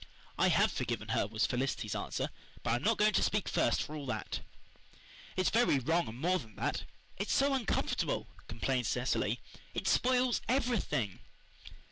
"I have forgiven her," was Felicity's answer, "but I am not going to speak first for all that." "It's very wrong, and, more than that, it's so uncomfortable," complained Cecily. "It spoils everything."